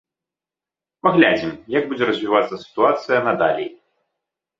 Паглядзім, як будзе развівацца сітуацыя надалей.